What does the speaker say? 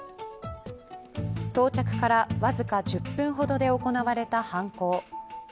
到着からわずか１０分ほどで行われた犯行。